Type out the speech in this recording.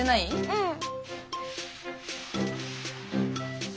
うん。